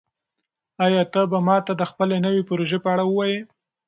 آیا ته به ماته د خپلې نوې پروژې په اړه ووایې؟